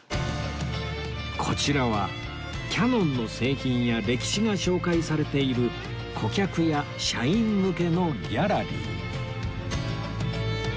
こちらはキヤノンの製品や歴史が紹介されている顧客や社員向けのギャラリー